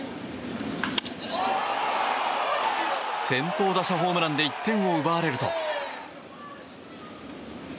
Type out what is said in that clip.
先頭打者ホームランで１点を奪われると。